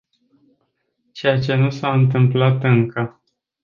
Ceea ce nu s-a întâmplat încă.